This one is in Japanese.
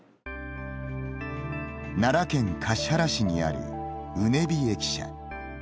奈良県橿原市にある畝傍駅舎。